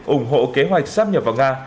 ủng hộ kế hoạch sáp nhập vào nga